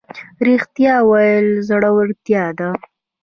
ریښتیا ویل زړورتیا ده